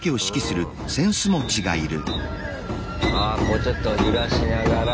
ちょっと揺らしながら。